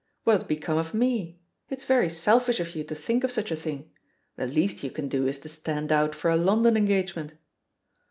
"What'd become of me? It's very selfish of you to think of such a thing — ^the least you can do is to stand out for a London engage ment!"